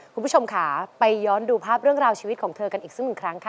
คุณผู้ชมค่ะไปย้อนดูภาพเรื่องราวชีวิตของเธอกันอีกสักหนึ่งครั้งค่ะ